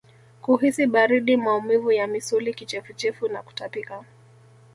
Kuhisi baridi maumivu ya misuli kichefuchefu na kutapika